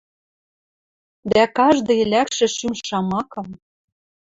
Дӓ каждый лӓкшӹ шӱм шамакым